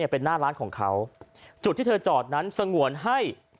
เป็นหน้าร้านของเขาจุดที่เธอจอดนั้นสงวนให้